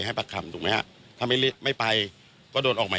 ไม่รู้จักกันครับ